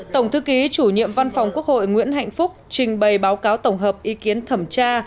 tổng thư ký chủ nhiệm văn phòng quốc hội nguyễn hạnh phúc trình bày báo cáo tổng hợp ý kiến thẩm tra